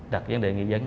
đặc vấn đề nghị dấn